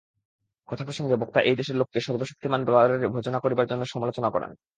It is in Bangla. কথাপ্রসঙ্গে বক্তা এই দেশের লোককে সর্বশক্তিমান ডলারের ভজনা করিবার জন্য সমালোচনা করেন।